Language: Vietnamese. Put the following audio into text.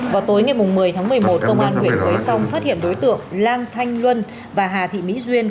vào tối ngày một mươi tháng một mươi một công an huyện quế phong phát hiện đối tượng lan thanh luân và hà thị mỹ duyên